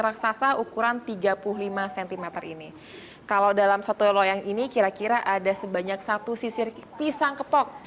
raksasa ukuran tiga puluh lima cm ini kalau dalam satu loyang ini kira kira ada sebanyak satu sisir pisang kepok